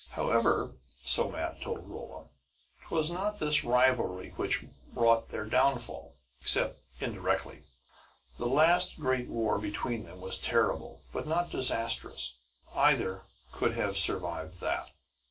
"However," Somat told Rolla, "'twas not this rivalry which wrought their downfall, except indirectly. The last great war between them was terrible, but not disastrous. Either could have survived that.